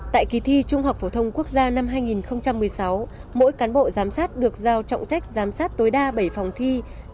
tại kỳ thi trung học phổ thông quốc gia năm hai nghìn một mươi sáu mỗi cán bộ giám sát được giao trọng trách giám sát tối đa bảy phòng thi